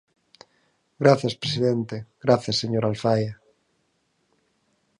Grazas, presidente; grazas, señora Alfaia.